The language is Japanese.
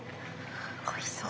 おいしそう。